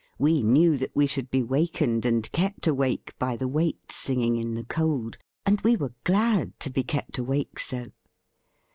We laiew that we should be wakened and kept awake by the waits singing in the cold; and we were glad to be kept awake so.